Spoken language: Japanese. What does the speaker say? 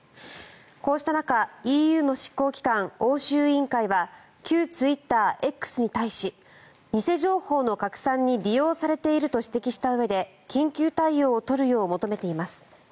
こうした中、ＥＵの執行機関欧州委員会は旧ツイッター、Ｘに対し偽情報の拡散に利用されていると指摘したうえで緊急対応を取るよう求めています。